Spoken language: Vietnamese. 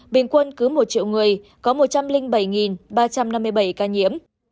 bình quân cứ một triệu người có một trăm linh bảy ba trăm năm mươi bảy ca nhiễm